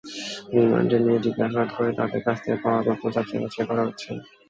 রিমান্ডে নিয়ে জিজ্ঞাসাবাদ করে তাঁদের কাছ থেকে পাওয়া তথ্য যাচাই-বাছাই করা হচ্ছে।